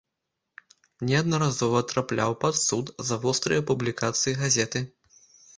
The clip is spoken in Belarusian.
Неаднаразова трапляў пад суд за вострыя публікацыі газеты.